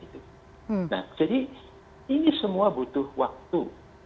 nah jadi ini semua butuh waktu